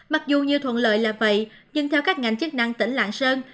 mặc dù như thuận lợi là vậy nhưng theo các ngành chức năng tỉnh làng sơn